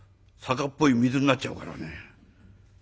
酒っぽい水になっちゃうからね。